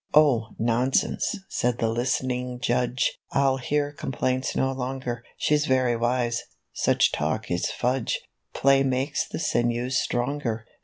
" 0, nonsense," said the list'ning judge, "I'll hear complaints no longer; She's very wise; such talk is fudge; Play makes the sinews stronger.